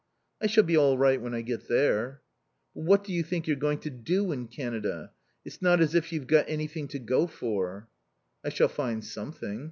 "I shall be all right when I get there." "But what do you think you're going to do in Canada? It's not as if you'd got anything to go for." "I shall find something.